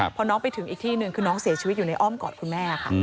พอน้องไปถึงอีกที่หนึ่งคือน้องเสียชีวิตอยู่ในอ้อมกอดคุณแม่ค่ะ